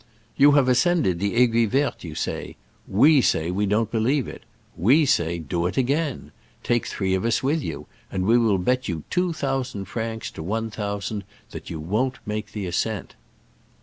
*' You have ascended the Aiguille Verte, you say. We say we don't believe it. We say, Do it again ! Take three of us with you, and we will bet you two thousand francs to one thou sand that you won't make the ascent